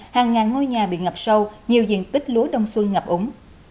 hàng ngàn ngôi nhà bị ngập sâu nhiều diện tích lúa đông xuân ngập úng